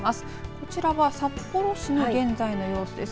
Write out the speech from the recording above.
こちらは札幌市の現在の様子です。